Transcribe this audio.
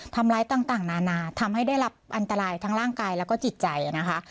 ทำร้ายต่างนานาทำให้ได้รับอันตรายทั้งร่างกายแล้วก็จิตใจนะคะ